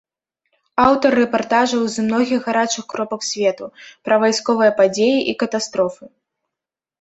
Аўтар рэпартажаў з многіх гарачых кропак свету, пра вайсковыя падзеі і катастрофы.